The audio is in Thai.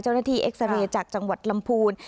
เจ้าหน้าที่เอ็กซาเรย์จากจังหวัดลำพูน